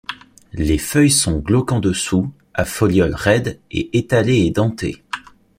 Les feuilles sont glauques en dessous, à folioles raides et étalées et dentées.